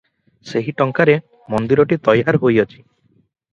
ସେହି ଟଙ୍କାରେ ମନ୍ଦିରଟି ତୟାର ହୋଇଅଛି ।